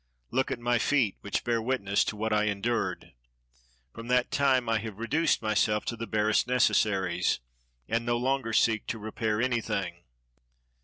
Look at my feet, which bear witness to what I endured. From that time I have reduced myself to the barest necessaries, and no longer seek to repair anything."